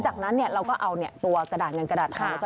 ให้ลากตั้งแต่หัวลงมานะครับ